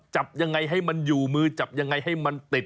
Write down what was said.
จับยังไงให้มันอยู่มือจับยังไงให้มันติด